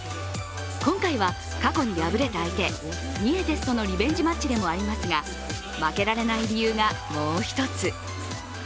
今回は、過去に敗れた相手・ニエテスとのリベンジマッチでもありますが、負けられない理由がもう一つ。